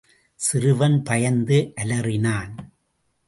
சிறுவன் பயந்து அலறினான்.